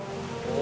お。